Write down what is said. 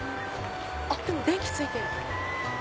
あっ電気ついてる。